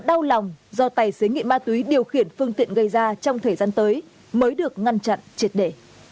đau lòng do tài xế nghiện ma túy điều khiển phương tiện gây ra trong thời gian tới mới được ngăn chặn triệt để